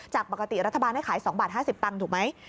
จากปกติรัฐบาลให้ขาย๒บาท๕๐บาทถูกไหม